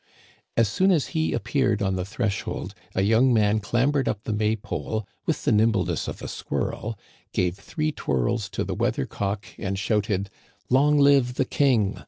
As soon as he appeared on the threshold a young man clambered up the May pole with the nimbleness of a squirrel, gave three twirls to the weather cock, and shouted :" Long live the King